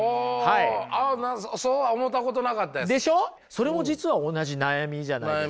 それも実は同じ悩みじゃないですか。